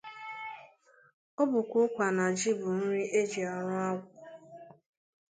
Ọ bụkwa ụkwa na ji bụ nri e ji arụ agwụ